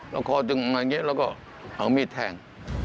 แล้วคอจึงมาอย่างนี้แล้วก็เอามีดแทง